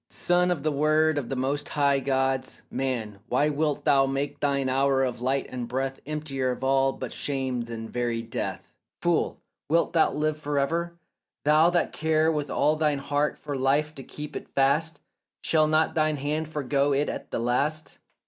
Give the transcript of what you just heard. Son of the word of the most high gods, man, Why wilt thou make thine hour of light and breath Emptier of all but shame than very death? Fool, wilt thou live for ever? though thou care With all thine heart for life to keep it fast, Shall not thine hand forego it at the last?